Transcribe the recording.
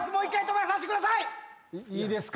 いいですか？